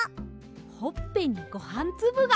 ほっぺにごはんつぶが！